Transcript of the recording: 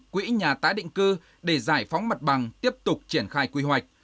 quỹ nhà tái định cư để giải phóng mặt bằng tiếp tục triển khai quy hoạch